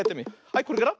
はいこれから。